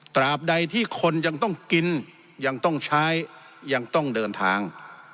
บใดที่คนยังต้องกินยังต้องใช้ยังต้องเดินทาง